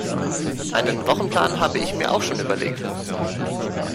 Einen Wochenplan habe ich mir auch schon überlegt